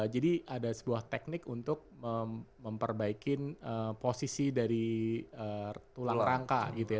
jadi ada sebuah teknik untuk memperbaikin posisi dari tulang rangka gitu ya